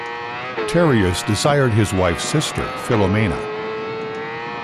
Tereus desired his wife's sister, Philomela.